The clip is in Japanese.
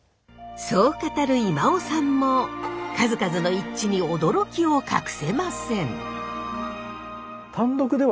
そう語る今尾さんも数々の一致に驚きを隠せません。